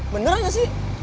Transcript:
bener gak sih